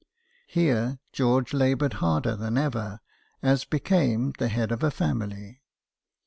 Here George laboured harder than ever, as became the head of a family.